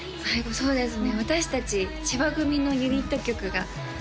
そうですね